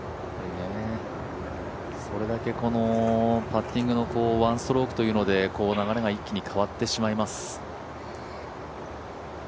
それだけパッティングの１ストロークというので流れが一気に変わってしまいます。